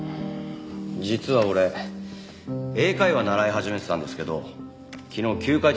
実は俺英会話習い始めてたんですけど昨日休会届出してきました。